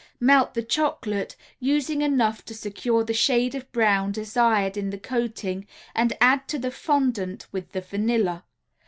Melt the chocolate, using enough to secure the shade of brown desired in the coating and add to the fondant with the vanilla.